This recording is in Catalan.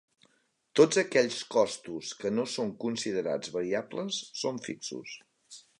Tots aquells costos que no són considerats variables són fixos.